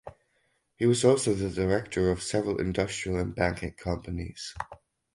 He was also the director of several industrial and banking companies.